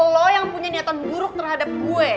lo yang punya niatan buruk terhadap gue